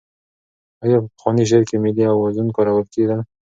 آیا په پخواني شعر کې ملي اوزان کارول کېدل؟